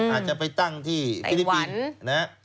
อาจจะไปตั้งที่ฟิลิปปินส์นะฮะ